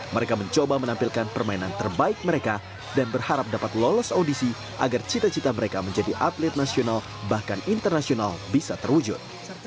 mereka mencoba menampilkan permainan terbaik mereka dan berharap dapat lolos audisi agar cita cita mereka menjadi atlet nasional bahkan internasional bisa terwujud